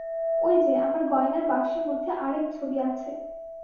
ঐ-যে আমার গয়নার বাক্সের মধ্যে আর-এক ছবি আছে।